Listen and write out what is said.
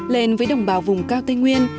lên với đồng bào vùng cao tây nguyên